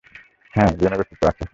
হ্যাঁ, অ্যালিয়েনের অস্তিত্ব আছে।